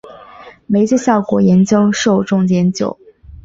媒介效果研究受众研究